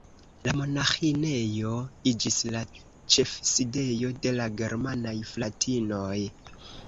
La monaĥinejo iĝis la ĉefsidejo de la germanaj fratinoj.